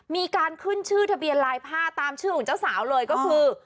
มีการขึ้นชื่อทะเบียนลายผ้าตามชื่อของเจ้าสาวเลยก็คือ